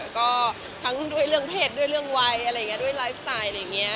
แล้วก็ทั้งด้วยเรื่องเพศด้วยเรื่องวัยอะไรอย่างนี้ด้วยไลฟ์สไตล์อะไรอย่างนี้